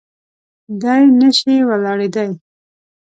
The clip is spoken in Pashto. دی نه شي ولاړېدای.